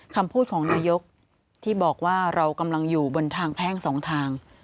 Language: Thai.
คำพูดของนายกที่บอกว่าเรากำลังอยู่บนทางแพ่งสองทาง